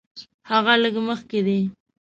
هغه لږ مخکې دی.